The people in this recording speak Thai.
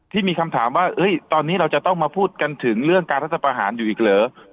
ที่มีคำถามว่าตอนนี้เราจะต้องมาพูดกันถึงเรื่องการรัฐประหารอยู่อีกเหรอ